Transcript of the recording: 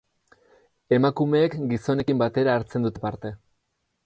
Emakumeek gizonekin batera hartzen dute parte.